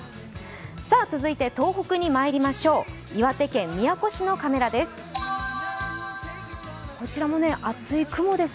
続いて東北にまいりましょう、岩手県宮古市のカメラです。